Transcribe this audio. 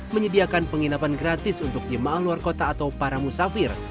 menyediakan penginapan gratis untuk jemaah luar kota atau para musafir